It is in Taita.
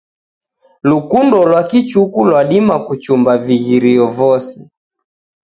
Lukundo lwa kichuku lwadima kuchumba vighirio vose.